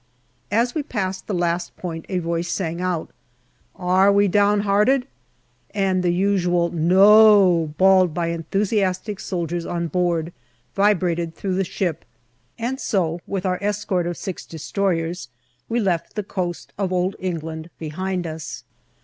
As we passed the last point a voice sang out, " Are we down hearted ?" and the usual " No !" bauled by enthusiastic soldiers on board, vibrated through the ship, and so with our escort of six destroyers we left the coast of Old England behind us.